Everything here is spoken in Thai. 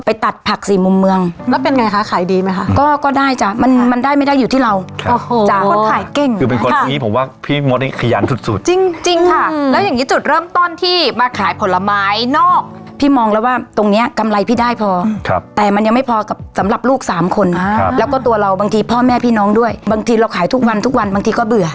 ตัดผักสี่มุมเมืองแล้วเป็นไงคะขายดีไหมคะก็ก็ได้จ้ะมันมันได้ไม่ได้อยู่ที่เราโอ้โหจากคนขายเก่งคือเป็นคนอย่างนี้ผมว่าพี่มดนี่ขยันสุดสุดจริงจริงค่ะแล้วอย่างงี้จุดเริ่มต้นที่มาขายผลไม้นอกพี่มองแล้วว่าตรงเนี้ยกำไรพี่ได้พอครับแต่มันยังไม่พอกับสำหรับลูกสามคนครับแล้วก็ตัวเราบางทีพ่อแม่พี่น้องด้วยบางทีเราขายทุกวันทุกวันบางทีก็เบื่อ